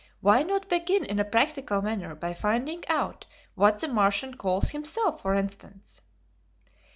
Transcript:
Why not begin in a practical manner by finding out what the Martian calls himself, for instance."